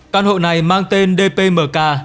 căn hộ này mang tên dpmk